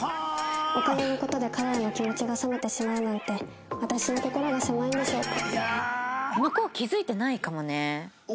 お金の事で彼への気持ちが冷めてしまうなんて私の心が狭いんでしょうか？